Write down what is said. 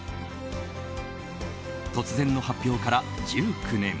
突然の発表から１９年。